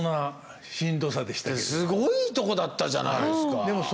すごいとこだったじゃないですか。